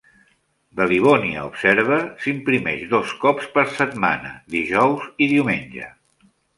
"The Livonia Observer" s'imprimeix dos cops per setmana; dijous i diumenge.